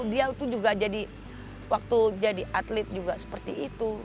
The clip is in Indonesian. dia waktu jadi atlet juga seperti itu